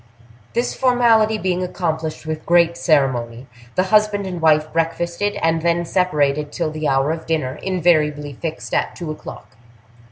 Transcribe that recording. This formality being accomplished with great ceremony, the husband and wife breakfasted, and then separated till the hour of dinner, invariably fixed at two o'clock.